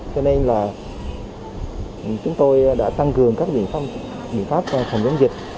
cho nên là chúng tôi đã tăng cường các biện pháp phòng chống dịch